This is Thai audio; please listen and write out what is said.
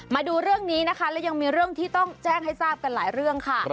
มาดูเรื่องนี้นะคะและยังมีเรื่องที่ต้องแจ้งให้ทราบกันหลายเรื่องค่ะ